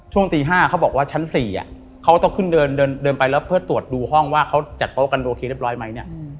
ตี๕เขาบอกว่าชั้น๔เขาต้องขึ้นเดินไปแล้วเพื่อตรวจดูห้องว่าเขาจัดโต๊ะกันโอเคเรียบร้อยไหมเนี่ย